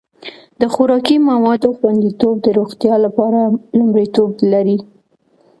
د خوراکي موادو خوندیتوب د روغتیا لپاره لومړیتوب لري.